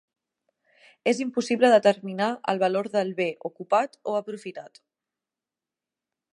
És impossible determinar el valor del bé ocupat o aprofitat.